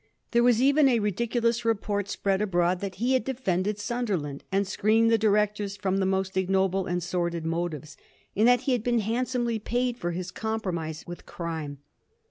There was even a ridiculous report spread abroad that he had defended Sunderland and screened the directors from the most ignoble and sordid motives^ and that he had been handsomely paid for his com promise with crime.